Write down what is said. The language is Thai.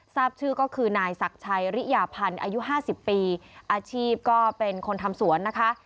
ทราบชื่อก็คือนายศักดิ์ชัยริยาพันธ์อายุ๕๐ปีอาชีพก็เป็นคนทำสวนนะคะ